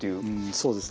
そうですね。